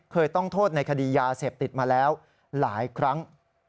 ต้องโทษในคดียาเสพติดมาแล้วหลายครั้ง